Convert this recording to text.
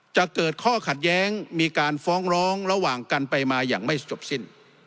จะเกิดข้อขัดแย้งมีการฟ้องร้องระหว่างกันไปมาอย่างไม่จบสิ้น